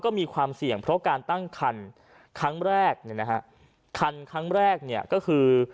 ก็มีความเสี่ยงเพราะการตั้งคันครั้งแรกเนี่ยนะฮะคันครั้งแรกเนี่ยก็คือ